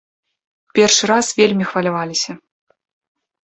Першы раз вельмі хваляваліся.